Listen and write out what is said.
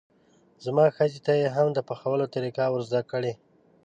زما ښځې ته یې هم د پخولو طریقه ور زده کړئ.